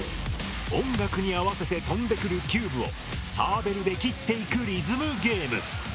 音楽に合わせて飛んでくるキューブをサーベルで切っていくリズムゲーム。